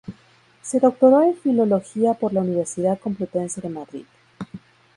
Se doctoró en Filología por la Universidad Complutense de Madrid.